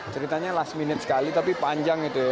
ceritanya last minute sekali tapi panjang itu